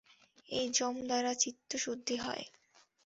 এই যম দ্বারা চিত্তশুদ্ধি হয়।